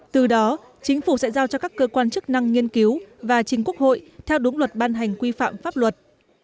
từ đó chính phủ sẽ giao cho các cơ quan chức năng nghiên cứu và chính quốc hội theo đúng luật ban hành quy phạm pháp luật